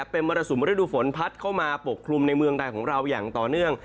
เป็นมรสุมฤดูฝนพัดเข้ามาปกคลุมในเมืองไทยของเราอย่างต่อเนื่อง